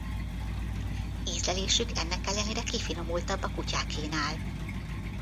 Ízlelésük ennek ellenére kifinomultabb a kutyákénál.